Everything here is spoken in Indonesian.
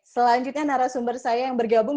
selanjutnya narasumber saya yang bergabung